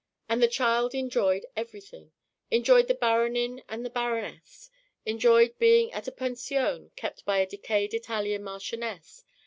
And the child enjoyed everything, enjoyed the Baronin and the Baronesse, enjoyed being at a pension kept by a decayed Italian marchioness.